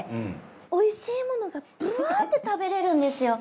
おいしいものがブワーッて食べられるんですよ。